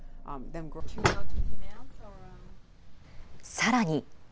さらに。